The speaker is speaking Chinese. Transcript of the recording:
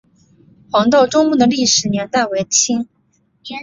黄道周墓的历史年代为清。